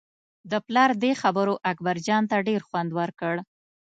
د پلار دې خبرو اکبرجان ته ډېر خوند ورکړ.